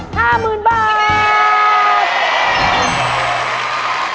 ๕หมื่นบาท